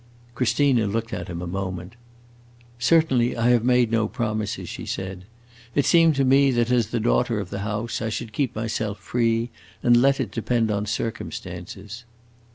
Christina looked at him a moment. "Certainly I have made no promises," she said. "It seemed to me that, as the daughter of the house, I should keep myself free and let it depend on circumstances."